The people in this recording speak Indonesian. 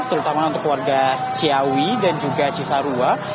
terutama untuk warga ciawi dan juga cisarua